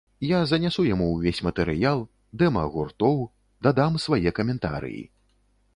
Я занясу яму ўвесь матэрыял, дэма гуртоў, дадам свае каментарыі.